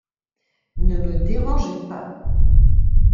Ne me dérangez pas.